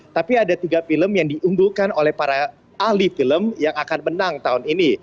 tapi ada tiga film yang diunggulkan oleh para ahli film yang akan menang tahun ini